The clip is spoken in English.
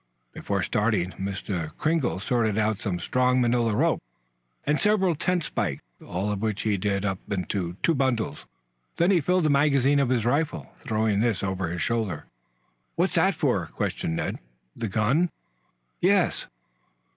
Before starting, Mr. Kringle sorted out some strong manila rope and several tent stakes all of which he did up into two bundles. Then he filled the magazine of his rifle, throwing this over his shoulder. "What's that for?" questioned Ned. "The gun?" "Yes."